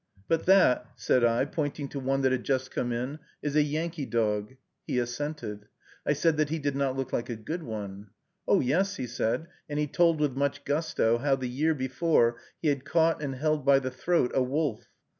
"But that," said I, pointing to one that had just come in, "is a Yankee dog." He assented. I said that he did not look like a good one. "Oh, yes!" he said, and he told, with much gusto, how, the year before, he had caught and held by the throat a wolf.